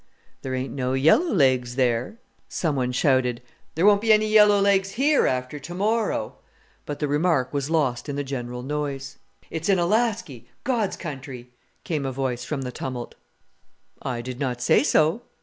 "There ain't no yellow legs there." Some one shouted, "There won't be any yellow legs here after to morrow," but the remark was lost in the general noise. "It's in Alaskie God's country," came a voice from the tumult. "I did not say so."